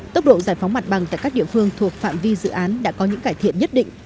tốc độ giải phóng mặt bằng tại các địa phương thuộc phạm vi dự án đã có những cải thiện nhất định